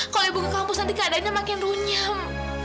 kalau ibu ke kampus nanti keadaannya makin runyam